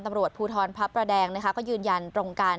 ตำรวจภูทรพระประแดงนะคะก็ยืนยันตรงกัน